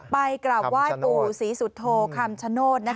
ไปกราบไหว้ปู่ศรีสุโธคำชโนธ